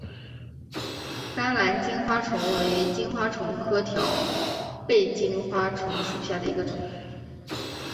甘蓝金花虫为金花虫科条背金花虫属下的一个种。